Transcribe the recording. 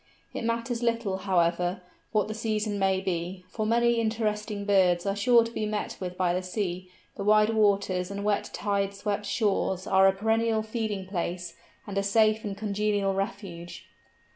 It matters little, however, what the season may be, for many interesting birds are sure to be met with by the sea; the wide waters and wet tide swept shores are a perennial feeding place, and a safe and congenial refuge.